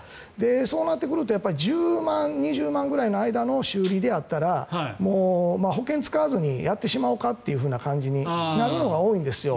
そうなってくると１０万、２０万円くらいの間の修理であったらもう保険を使わずにやってしまおうかとなるのが多いんですよ。